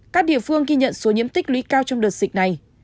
các địa phương ghi nhận số nhiễm tích lý cao trong đợt dịch này